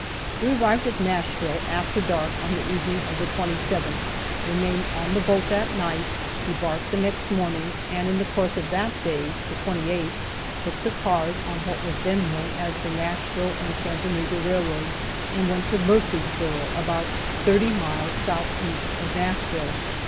We arrived at Nashville after dark on the evening of the 27th, remained on the boat that night, debarked the next morning, and in the course of that day (the 28th) took the cars on what was then known as the Nashville and Chattanooga railroad, and went to Murfreesboro, about thirty miles southeast of Nashville.